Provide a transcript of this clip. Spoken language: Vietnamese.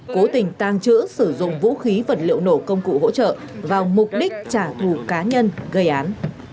cố tình tăng trữ sử dụng vũ khí vật liệu nổ công cụ hỗ trợ vào mục đích trả thù cá nhân gây án